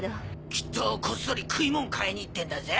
きっとこっそり食いもん買いに行ってんだぜ！